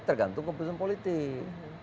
tergantung keputusan politik